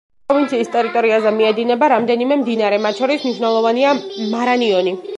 პროვინციის ტერიტორიაზე მიედინება რამდენიმე მდინარე, მათ შორის მნიშვნელოვანია მარანიონი.